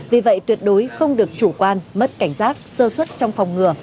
vì vậy tuyệt đối không được chủ quan mất cảnh giác sơ xuất trong phòng ngừa